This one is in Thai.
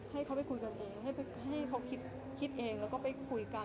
ให้เขาไปคุยกันเองให้เขาคิดเองแล้วก็ไปคุยกัน